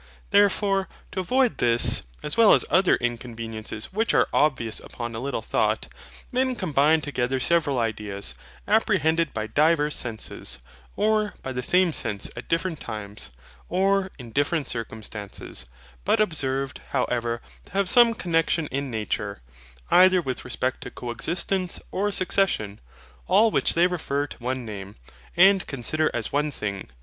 Therefore, to avoid this, as well as other inconveniences which are obvious upon a little thought, men combine together several ideas, apprehended by divers senses, or by the same sense at different times, or in different circumstances, but observed, however, to have some connexion in nature, either with respect to co existence or succession; all which they refer to one name, and consider as one thing.